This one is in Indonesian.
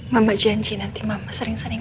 mama janji nanti mama sering sering